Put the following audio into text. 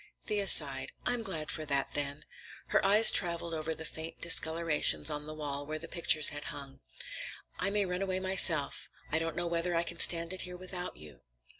Thea sighed. "I'm glad for that, then." Her eyes traveled over the faint discolorations on the walls where the pictures had hung. "I may run away myself. I don't know whether I can stand it here without you."